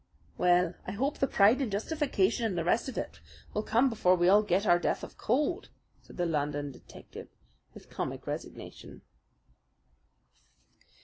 "Well, I hope the pride and justification and the rest of it will come before we all get our death of cold," said the London detective with comic resignation.